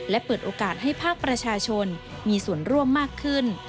และเปิดโอกาสให้ภาคประชาชนมีส่วนร่วมมากขึ้น